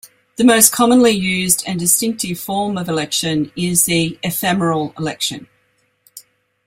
The most commonly used and distinctive form of election is the ephemeral election.